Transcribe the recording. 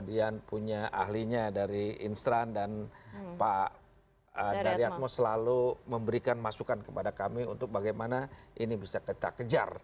dan punya ahlinya dari instran dan pak daryatmo selalu memberikan masukan kepada kami untuk bagaimana ini bisa kita kejar